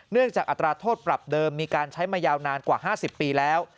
จากอัตราโทษปรับเดิมมีการใช้มายาวนานกว่า๕๐ปีแล้ว